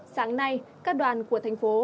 sáng nay các đoàn của thành phố